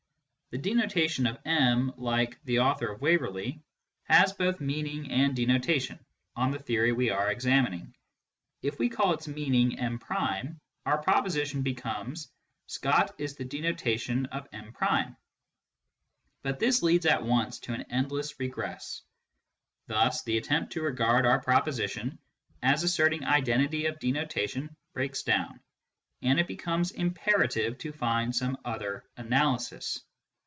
" The denotation of M," like " the author of Waverley," has both meaning and denotation, on the theory we are examining If we call its meaning M , our proposition becomes " Scott is the denotation of M ." But this leads at once to an endless regress. Thus the attempt to regard our proposition as asserting identity of denotation breaks down, and it becomes imperative to find some other analysis.